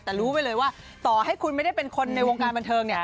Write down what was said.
แต่รู้ไปเลยว่าต่อให้คุณไม่ได้เป็นคนในวงการบันเทิงเนี่ย